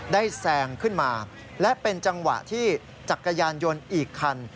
แซงขึ้นมาและเป็นจังหวะที่จักรยานยนต์อีกคัน